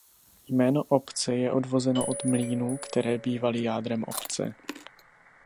Jméno obce je odvozeno od mlýnů které bývaly jádrem obce.